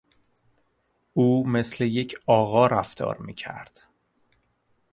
او مثل یک آقا رفتار میکرد.